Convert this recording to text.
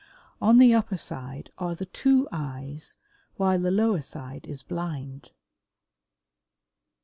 On the upper side are the two eyes, while the lower side is blind.